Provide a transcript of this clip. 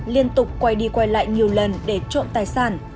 liên tục quay đi quay lại nhiều lần để trộm tài sản